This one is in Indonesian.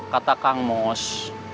kata kang mus